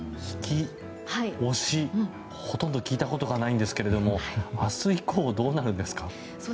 引き、押し、ほとんど聞いたことがないんですけど明日以降どうなるんですか？